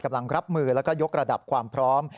รับมือแล้วก็ยกระดับความพร้อม